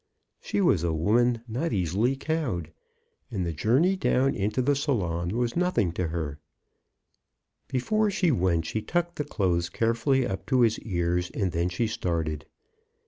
She was a woman not easily cowed, and the journey down into the salon was nothing to her. Before she went she tucked the clothes care fully up to his ears, and then she started.